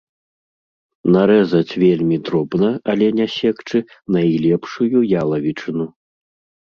Нарэзаць вельмі дробна, але не секчы, найлепшую ялавічыну.